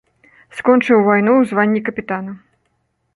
Скончыў вайну ў званні капітана.